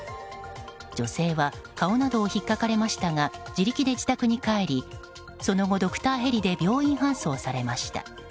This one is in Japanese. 女性は顔などをひっかかれましたが自力で自宅に帰りその後、ドクターヘリで病院搬送されました。